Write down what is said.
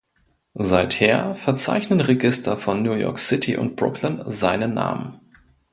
Seither verzeichnen Register von New York City und Brooklyn seinen Namen.